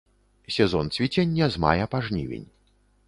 Сезон цвіцення з мая па жнівень.